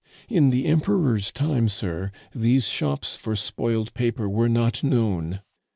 In the Emperor's time, sir, these shops for spoiled paper were not known.